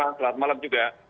sama sama selamat malam juga